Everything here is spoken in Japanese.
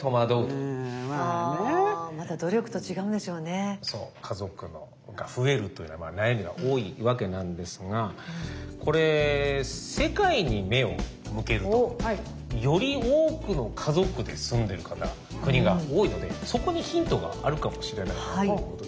行ってみたけども家族が増えるというのは悩みが多いわけなんですがこれ世界に目を向けるとより多くの家族で住んでる方国が多いのでそこにヒントがあるかもしれないということで。